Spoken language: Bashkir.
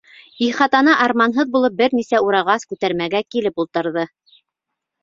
Ихатаны арманһыҙ булып бер нисә урағас, күтәрмәгә килеп ултырҙы.